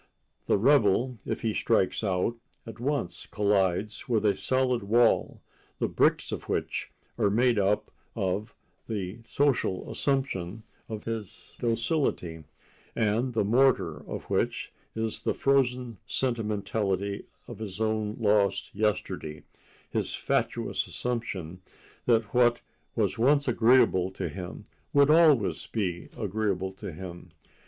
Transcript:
The rebel, if he strikes out, at once collides with a solid wall, the bricks of which are made up of the social assumption of his docility, and the mortar of which is the frozen sentimentality of his own lost yesterday—his fatuous assumption that what was once agreeable to him would be always agreeable to him.